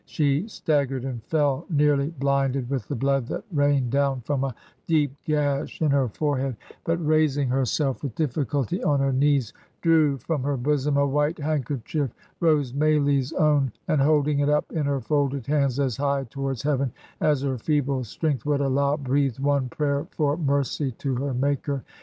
She staggered and fell ; nearly blinded with the blood that rained down from a deep gash in her forehead; but raising herself, with 134 Digitized by VjOOQIC THE EARLIER HEROINES OF DICKENS difficulty, on her knees, drew from her bosom a white handkerchief — ^Rose Maylie's own — ^and holding it up, in her folded hands, as high towards Heaven as her feeble strength would allow, breathed one prayer for mercy to her Maker.